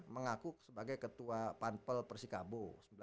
mengaku sebagai ketua pampel persikabo